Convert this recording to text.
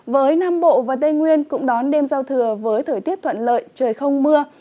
với nam bộ và tây nguyên cũng đón đêm giao thừa với thời tiết thuận lợi trời không mưa